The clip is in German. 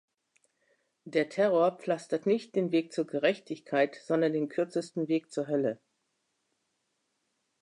Der Terror pflastert nicht den Weg zur Gerechtigkeit, sondern den kürzesten Weg zur Hölle.